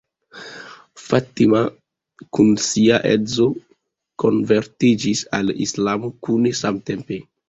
Fatima kun sia edzo konvertiĝis al Islamo kune samtempe.